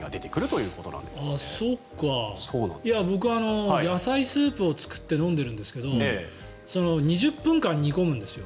いや、僕は野菜スープを作って飲んでいるんですが２０分間煮込むんですよ。